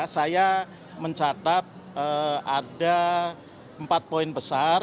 saya mencatat ada empat poin besar